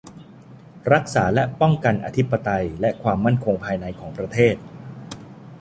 รักษาและป้องกันอธิปไตยและความมั่นคงภายในของประเทศ